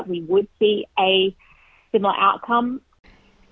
kita akan melihat hasil yang sama